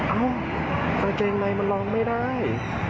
เอ้ากางเกงในมันลองไม่ได้